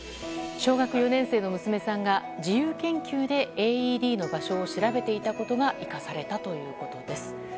小学４年生の娘さんが自由研究でＡＥＤの場所を調べていたことが生かされたということです。